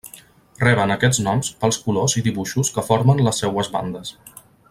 Reben aquests noms pels colors i dibuixos que formen les seues bandes.